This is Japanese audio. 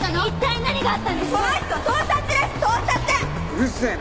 うるせえ